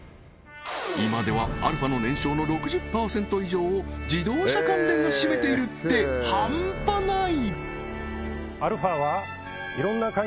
今ではアルファの年商の６０％以上を自動車関連が占めているって半端ない！